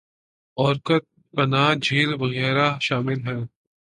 اور کت پناہ جھیل وغیرہ شامل ہیں